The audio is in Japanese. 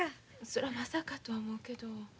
そらまさかとは思うけど。